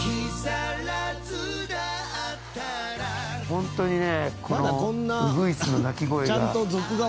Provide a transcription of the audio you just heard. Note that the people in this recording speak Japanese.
本当にねこのウグイスの鳴き声が。